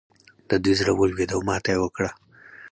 د دوی زړه ولوېد او ماته یې وکړه.